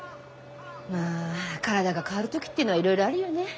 まあ体が変わる時ってのはいろいろあるよね。